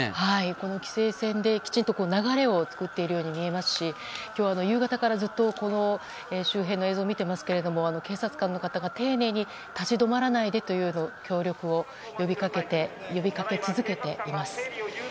この規制線できちんと流れを作っているように見えますし、今日は夕方からずっとこの周辺の映像を見ていますけども警察官の方が丁寧に立ち止まらないでという協力を呼びかけ続けています。